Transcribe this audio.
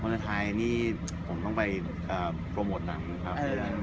ในไทยนี่ผมต้องไปโปรโมทหนังครับ